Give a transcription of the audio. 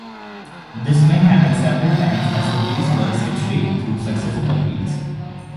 This may happen several times as the case works its way through successive appeals.